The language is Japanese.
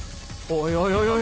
おいおい